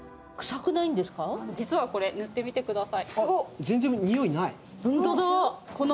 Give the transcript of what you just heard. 実はこれ、塗ってみてください。